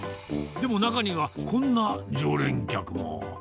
でも中には、こんな常連客も。